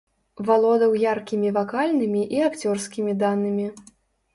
Валодаў яркімі вакальнымі і акцёрскімі данымі.